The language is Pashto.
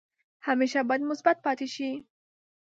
همیشه باید مثبت پاتې شئ.